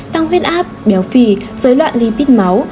tăng huyết áp béo phì dối loạn lipid máu